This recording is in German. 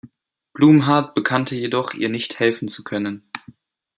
Blumhardt bekannte jedoch, ihr nicht helfen zu können.